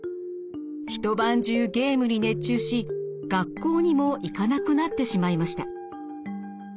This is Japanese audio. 一晩中ゲームに熱中し学校にも行かなくなってしまいました。